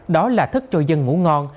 đó là thức cho dân ngủ ngon